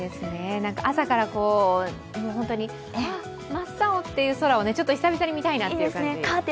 朝から、真っ青という空を久々に見たいという感じ。